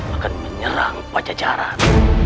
akan menyerang pajajaran